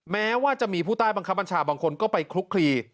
แม้ว่าจะมีผู้ใต้บังคับบัญชาบางคนก็ไปคลุกคลี